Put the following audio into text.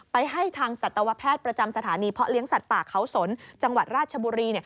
ให้ทางสัตวแพทย์ประจำสถานีเพาะเลี้ยงสัตว์ป่าเขาสนจังหวัดราชบุรี